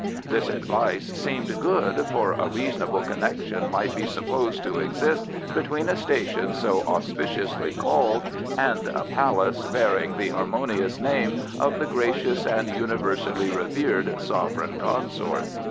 This advice seemed good, for a reasonable connection might be supposed to exist between a station so auspiciously called and a Palace bearing the harmonious name of the gracious and universally revered sovereign consort.